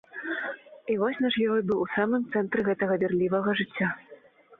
І вось наш герой быў у самым цэнтры гэтага вірлівага жыцця.